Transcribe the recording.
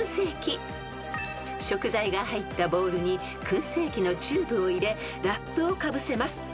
［食材が入ったボウルに燻製器のチューブを入れラップをかぶせます］